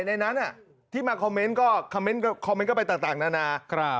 เพราะฉะนั้นที่มาคอมเมนต์ก็คอมเมนต์เข้าไปต่างนานา